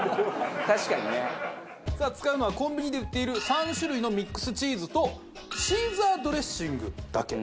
確かにね。さあ使うのはコンビニで売っている３種類のミックスチーズとシーザードレッシングだけ。